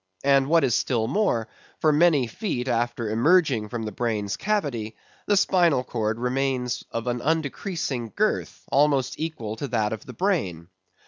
And what is still more, for many feet after emerging from the brain's cavity, the spinal cord remains of an undecreasing girth, almost equal to that of the brain.